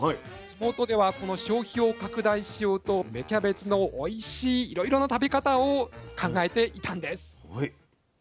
地元ではこの消費を拡大しようと芽キャベツのおいしいいろいろな食べ方を考えていたんです。